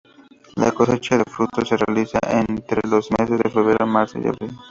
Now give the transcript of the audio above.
La cosecha de frutos se realiza entre los meses de febrero, marzo y abril.